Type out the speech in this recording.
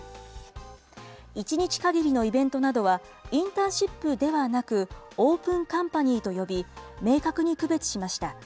１日限りのイベントなどは、インターンシップではなく、オープン・カンパニーと呼び、明確に区別しました。